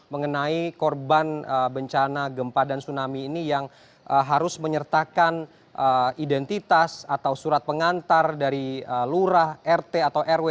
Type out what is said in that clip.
mengenai korban bencana gempa dan tsunami ini yang harus menyertakan identitas atau surat pengantar dari lurah rt atau rw